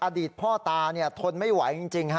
อดีตพ่อตาทนไม่ไหวจริง